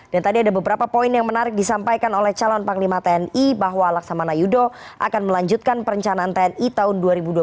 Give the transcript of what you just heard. dan tadi ada beberapa poin yang menarik disampaikan oleh calon panglima tni bahwa laksamana yudho akan melanjutkan perencanaan tni tahun dua ribu dua puluh tiga